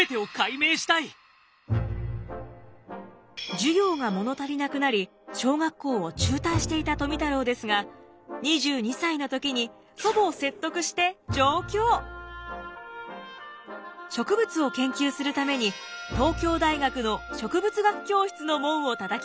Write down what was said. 授業が物足りなくなり小学校を中退していた富太郎ですが植物を研究するために東京大学の植物学教室の門をたたきました。